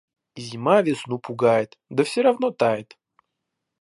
Зима весну пугает, да всё равно тает.